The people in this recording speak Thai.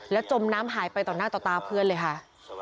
จมน้ำหายไปต่อหน้าต่อตาเพื่อนเลยค่ะ